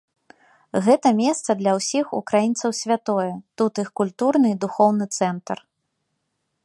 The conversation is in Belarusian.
Гэта месца для ўсіх украінцаў святое, тут іх культурны і духоўны цэнтр.